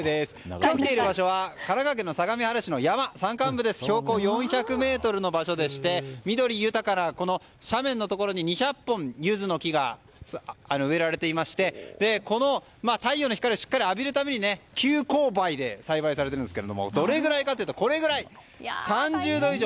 今日来ている場所は神奈川県相模原市の山標高３００ｍの場所でして緑豊かな斜面に２００本ユズの木が植えられていましてこの太陽の光をしっかり浴びるために急勾配で栽培されているんですがどれぐらいかというと３０度以上。